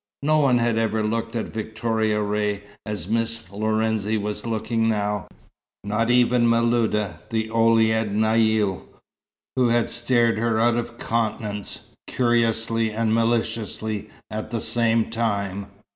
No one had ever looked at Victoria Ray as Miss Lorenzi was looking now, not even Miluda, the Ouled Naïl, who had stared her out of countenance, curiously and maliciously at the same time.